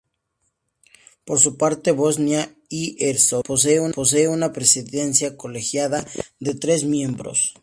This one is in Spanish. Por su parte, Bosnia y Herzegovina posee una presidencia colegiada de tres miembros.